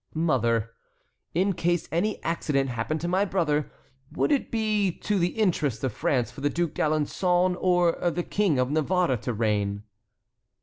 "Mother, in case any accident happened to my brother, would it be to the interest of France for the Duc d'Alençon or the King of Navarre to reign?"